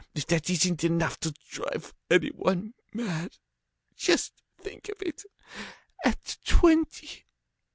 If that isn't enough to drive any one mad! Just think of it! At twenty!